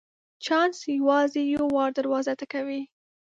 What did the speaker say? چانس یوازي یو وار دروازه ټکوي .